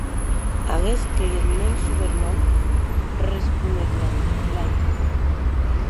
Aguest qu’ei eth mèn subernòm, responec Laigle.